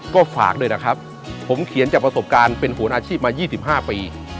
ก็ฝากด้วยนะครับผมเขียนจากประสบการณ์เป็นโหนอาชีพมา๒๕ปี